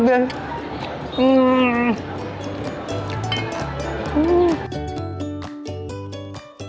besar lagi ya